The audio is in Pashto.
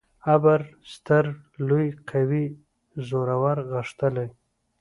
ابر: ستر ، لوی ، قوي، زورور، غښتلی